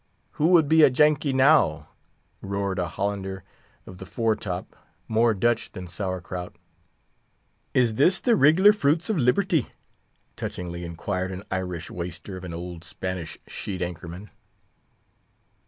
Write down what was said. "Who would be a Jankee now?" roared a Hollander of the fore top, more Dutch than sour crout. "Is this the riglar fruits of liberty?" touchingly inquired an Irish waister of an old Spanish sheet anchor man.